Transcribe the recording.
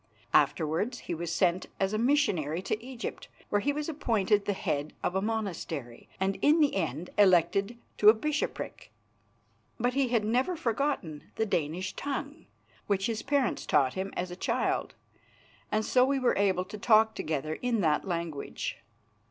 Afterwards he was sent as a missionary to Egypt, where he was appointed the head of a monastery, and in the end elected to a bishopric. But he had never forgotten the Danish tongue, which his parents taught him as a child, and so we were able to talk together in that language.